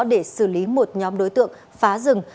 để xử lý một nhóm đối tượng phá rừng